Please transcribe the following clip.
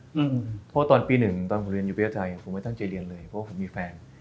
เพราะว่าตอนปีหนึ่งตอนผมเรียนอยู่ประเทศไทยผมไม่ตั้งใจเรียนเลยเพราะว่าผมมีแฟน